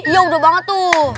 iya udah banget tuh